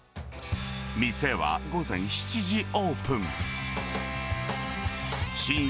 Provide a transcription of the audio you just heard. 店は午前７時オープン。